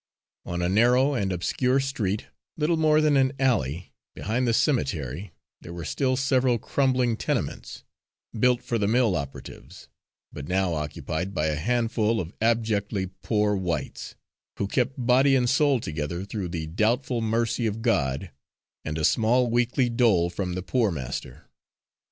On a narrow and obscure street, little more than an alley, behind the cemetery, there were still several crumbling tenements, built for the mill operatives, but now occupied by a handful of abjectly poor whites, who kept body and soul together through the doubtful mercy of God and a small weekly dole from the poormaster.